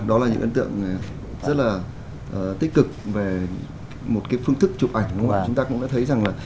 đó là những ấn tượng rất là tích cực về một cái phương thức chụp ảnh đúng không ạ